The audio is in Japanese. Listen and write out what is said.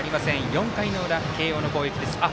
４回の裏、慶応の攻撃。